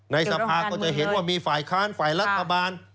ในสภาก็จะเห็นว่ามีฝ่ายค้านฝ่ายรัฐบาล